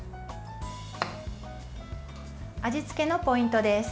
味付けのポイントです。